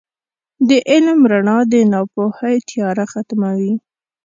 • د علم رڼا د ناپوهۍ تیاره ختموي.